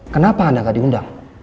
kenapa anda gak diundang